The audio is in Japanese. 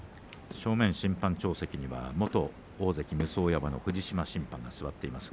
正面審判長席には元大関武双山の藤島審判が座っています。